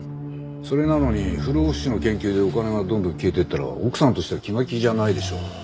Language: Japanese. それなのに不老不死の研究でお金がどんどん消えていったら奥さんとしては気が気じゃないでしょ。